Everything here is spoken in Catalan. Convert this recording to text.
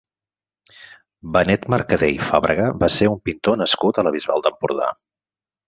Benet Mercadé i Fàbrega va ser un pintor nascut a la Bisbal d'Empordà.